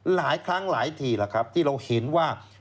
หลายครั้งหลายทีที่เราเห็นว่า